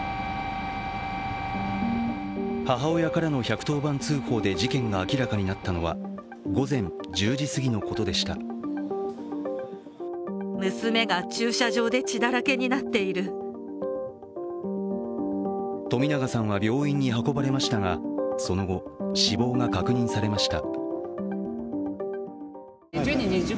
母親からの１１０番通報で事件が明らかになったのは午前１０時すぎのことでした冨永さんは病院に運ばれましたがその後、死亡が確認されました。